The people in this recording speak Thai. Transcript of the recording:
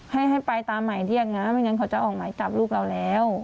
ให้ไปตามหมายเรียกนะไม่งั้นเขาจะออกหมายจับลูกเราแล้ว